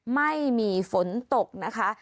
ไม่มีฝนตกนะคะ